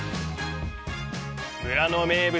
村の名物